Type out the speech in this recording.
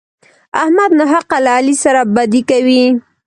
احمد ناحقه له علي سره بدي کوي.